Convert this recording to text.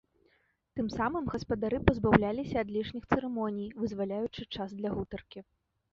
Тым самым гаспадары пазбаўляліся ад лішніх цырымоній, вызваляючы час для гутаркі.